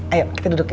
ayo kita duduk ya